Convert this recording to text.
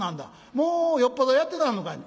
もうよっぽどやってたのかいな？」。